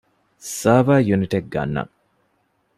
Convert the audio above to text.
ސަރވަރ ޔުނިޓެއް ގަންނަން